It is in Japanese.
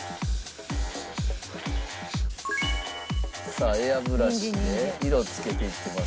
さあエアブラシで色を付けていってます。